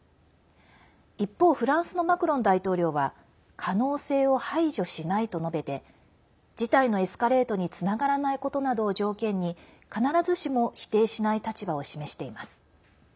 一方、フランスのマクロン大統領は可能性を排除しないと述べて事態のエスカレートにつながらないことなどを条件に必ずしも否定しない立場を示しています。